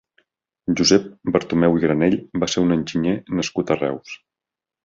Josep Bartomeu i Granell va ser un enginyer nascut a Reus.